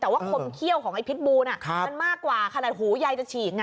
แต่ว่าคมเขี้ยวของไอ้พิษบูน่ะมันมากกว่าขนาดหูยายจะฉีกไง